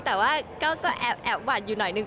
แต่ว่าก็แอบหวัดอยู่หน่อยนึง